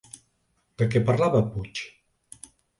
De què parlava Puig?